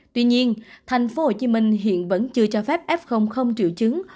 tuy nhiên tp hcm hiện vẫn chưa cho phép f không triệu chứng